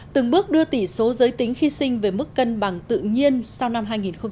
từng bước đưa tỷ số giới tính khi sinh về mức cân bằng tự nhiên sau năm hai nghìn hai mươi